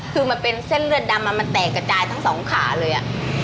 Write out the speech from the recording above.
คือมันเป็นเส้นเลือดดำมันแตกกระจายทั้งสองขาเลย